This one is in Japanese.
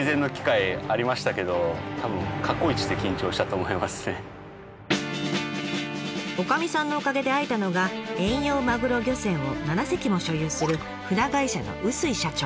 とりあえずとりあえず女将さんのおかげで会えたのが遠洋マグロ漁船を７隻も所有する船会社の臼井社長。